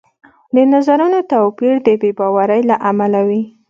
د نظرونو توپیر د بې باورۍ له امله وي